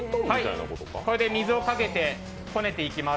これで水をかけてこねていきます。